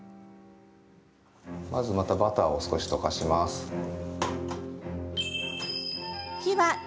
まずまたバターを少し溶かします。